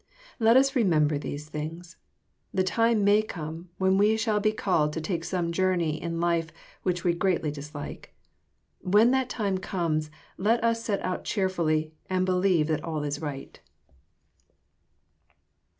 Let us remem ber these things. The time may come when we shall be called to take some journey in life which we greatly dis like. When that time comes, let us set out cheerfully, and believe that all is right.